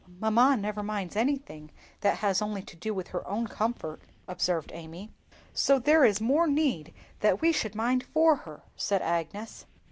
"Mamma never minds anything that has only to do with her own comfort," observed Amy. "So there is more need that we should mind for her," said Agnes.